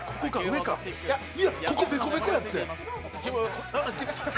ここベコベコやって。